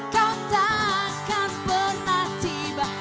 kau tak akan pernah tiba